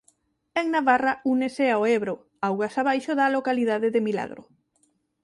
En Navarra únese ao Ebro augas abaixo da localidade de Milagro.